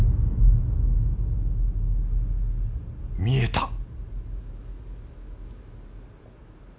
見えた！